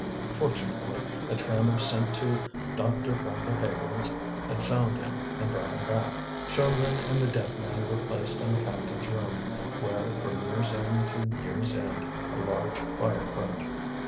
Fortunately a trammer sent to Dr. Vanderhaghen's had found him and brought him back. Jeanlin and the dead man were placed in the captains' room, where, from year's end to year's end, a large fire burnt.